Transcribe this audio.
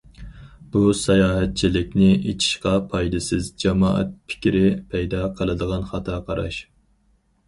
بۇ ساياھەتچىلىكنى ئېچىشقا پايدىسىز جامائەت پىكرى پەيدا قىلىدىغان خاتا قاراش.